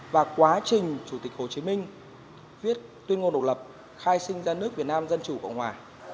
và quá trình chủ tịch hồ chí minh viết tuyên ngôn độc lập khai sinh ra nước việt nam dân chủ cộng hòa